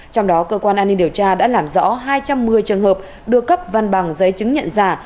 trong đó cơ quan an ninh điều tra đã làm rõ hai trăm một mươi trường hợp đưa cấp văn bằng giấy chứng nhận giả